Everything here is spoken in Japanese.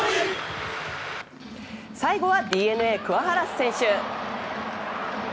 最後はＤｅＮＡ桑原選手。